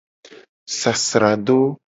Sasrado.